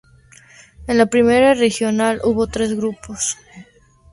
En la primera regional hubo tres grupos.